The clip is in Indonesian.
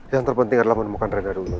yang terpenting adalah menemukan rendah dulu